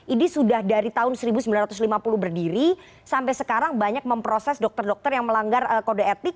ini sudah dari tahun seribu sembilan ratus lima puluh berdiri sampai sekarang banyak memproses dokter dokter yang melanggar kode etik